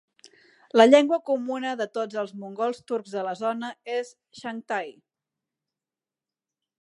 La llengua comuna de tots els mongols turcs de la zona és Chaghatay.